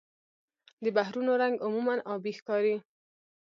د بحرونو رنګ عموماً آبي ښکاري.